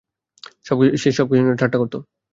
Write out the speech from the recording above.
সে সব কিছু নিয়ে ঠাট্টা করতো।